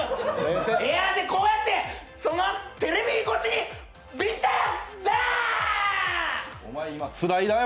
エアで、こうやってテレビ越しにビタッ、ダー！